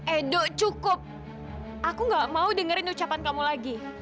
eh do cukup aku nggak mau dengerin ucapan kamu lagi